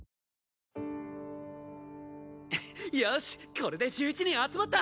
これで１１人集まった！